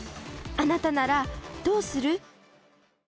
あなたならどうする？